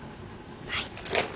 はい。